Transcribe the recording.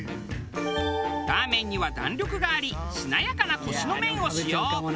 らーめんには弾力がありしなやかなコシの麺を使用。